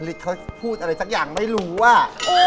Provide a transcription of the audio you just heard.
เขาพูดอะไรสักอย่างไม่รู้ว่า